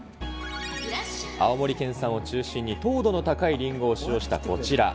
青森県産を中心に、糖度の高いりんごを使用したこちら。